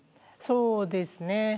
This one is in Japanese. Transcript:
そうですね。